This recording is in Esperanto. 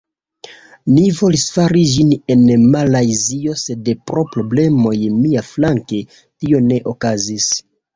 Ni volis fari ĝin en Malajzio sed pro problemoj miaflanke, tio ne okazis